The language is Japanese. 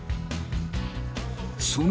そう。